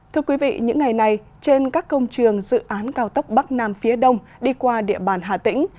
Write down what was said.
thưa quý vị những ngày này trên các công trường dự án cao tốc bắc nam phía đông đi qua địa bàn hà tĩnh